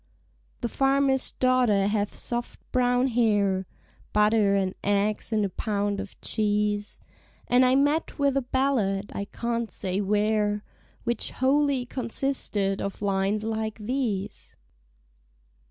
The farmer's daughter hath soft brown hair; (Butter and eggs and a pound of cheese) And I met with a ballad, I can't say where, Which wholly consisted of lines like these.